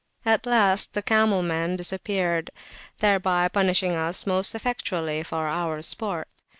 At last the camel men disappeared, thereby punishing us most effectually for our sport.